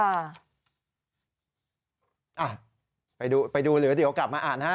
อ่ะไปดูไปดูหรือเดี๋ยวกลับมาอ่านฮะ